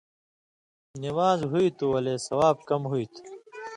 نِوان٘ز ہُوئ تھُو ولے ثواب کم ہُوئ تھُو۔